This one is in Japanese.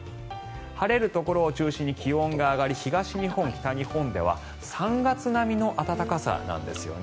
晴れるところを中心に気温が上がり東日本、北日本では３月並みの暖かさなんですよね。